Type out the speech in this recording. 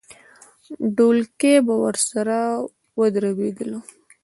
ډولکی به ورسره ودربېدلو.